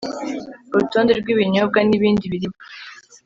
Urutonde rw ibinyobwa n ibindi biribwa